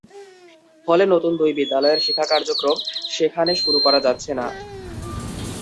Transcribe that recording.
ফলে নতুন দুই বিদ্যালয়ের শিক্ষা কার্যক্রম সেখানে শুরু করা যাচ্ছে না।